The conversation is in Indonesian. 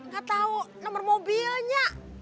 gak tau nomor mobilnya